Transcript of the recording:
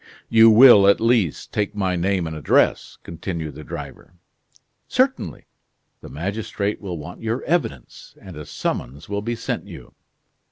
"You will, at least, take my name and address?" continued the driver. "Certainly. The magistrate will want your evidence, and a summons will be sent you."